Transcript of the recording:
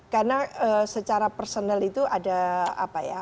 karena secara personal itu ada apa ya